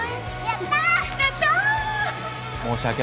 やったー！